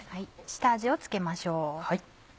下味を付けましょう。